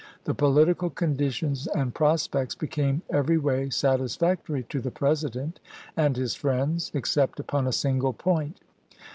The political conditions and prospects became every way satisfactory to the President and his friends, except upon a single point.